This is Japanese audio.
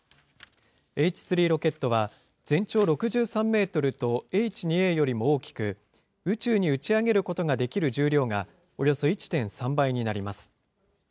Ｈ３ロケットは、全長６３メートルと、Ｈ２Ａよりも大きく、宇宙に打ち上げることができる重量が、およそ１．３倍になります。